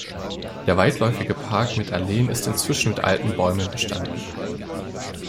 Der weitläufige Park mit Alleen ist inzwischen mit alten Bäumen bestanden.